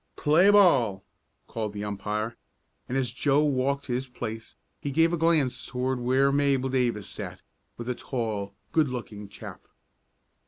"Play ball!" called the umpire, and, as Joe walked to his place he gave a glance toward where Mabel Davis sat with a tall, good looking chap.